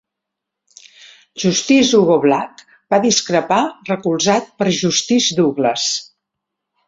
Justice Hugo Black va discrepar, recolzat per Justice Douglas.